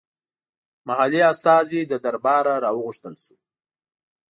محلي استازی له درباره راوغوښتل شو.